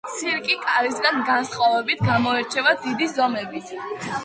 ცირკი კარისგან განსხვავებით გამოირჩევა დიდი ზომებით.